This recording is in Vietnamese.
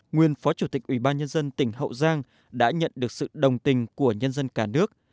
nguyên phó chủ tịch ủy ban nhân dân tỉnh hậu giang đã nhận được sự đồng tình của nhân dân cả nước